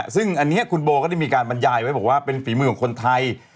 ซึ่งอันนี้คุณโบก็ได้มีการบรรยายไว้บอกว่าเป็นฝีมือของคนไทย